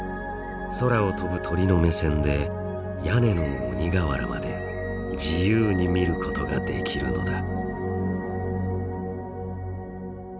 空を飛ぶ鳥の目線で屋根の鬼瓦まで自由に見ることができるのだ。